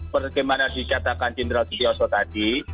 bagaimana dicatakan jindra kijoso tadi